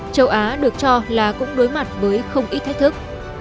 châu á được cho là cũng đối mặt với không ít thách thức